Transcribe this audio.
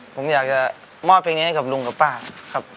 ผมอยากจะมอบเพลงนี้ให้กับลุงกับป้าครับ